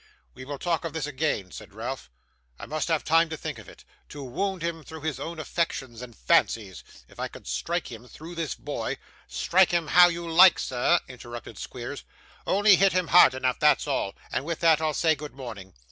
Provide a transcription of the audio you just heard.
'We will talk of this again,' said Ralph. 'I must have time to think of it. To wound him through his own affections and fancies . If I could strike him through this boy ' 'Strike him how you like, sir,' interrupted Squeers, 'only hit him hard enough, that's all and with that, I'll say good morning.